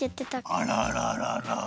あらららら。